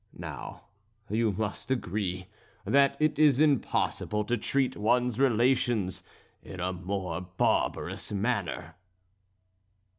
Now, you must agree, that it is impossible to treat one's relations in a more barbarous manner."